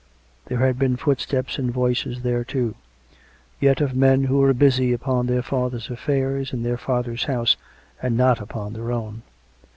There had been foot steps and voices there too — yet of men who were busy upon their Father's affairs in their Father's house, and not upon their own.